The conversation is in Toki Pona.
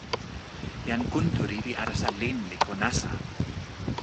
jan Kuntuli li alasa len e ko nasa.